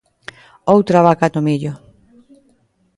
Outra vaca no millo!